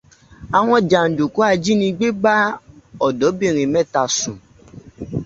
Àwọn jàndùkù ajínigbé bá ọ̀dọ́bìnrin mẹ́ta sùn.